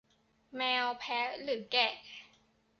แมว แพะ หรือแกะ